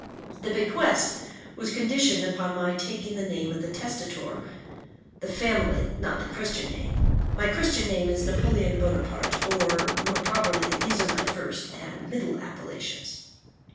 The bequest was conditioned upon my taking the name of the testator,—the family, not the Christian name; my Christian name is Napoleon Bonaparte—or, more properly, these are my first and middle appellations.